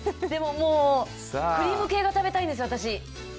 クリーム系が食べたいんです私。